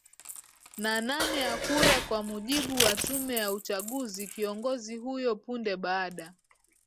na nane ya kura kwa mujibu wa tume ya uchaguziKiongozi huyo punde baada